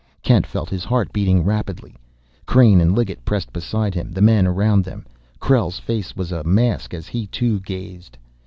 Kent felt his heart beating rapidly. Crain and Liggett pressed beside him, the men around them; Krell's face was a mask as he too gazed.